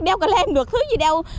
đeo cái lêm được thứ gì đeo